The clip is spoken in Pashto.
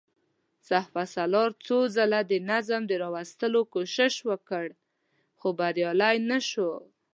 سپهسالار څو ځله د نظم د راوستلو کوشش وکړ، خو بريالی نه شو.